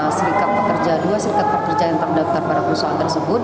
serikat pekerja dua serikat pekerja yang terdaftar pada perusahaan tersebut